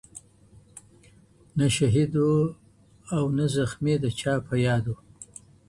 نه شهید او نه زخمي د چا په یاد وو